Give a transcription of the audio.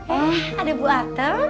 eh ada bu atem